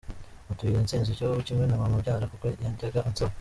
Mutuye iyi ntsinzi cyo kimwe na mama umbyara kuko yajyaga ansaba.